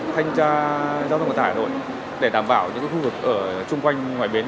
thay trai giao thông vận tải đội để đảm bảo những khu vực ở chung quanh ngoài bến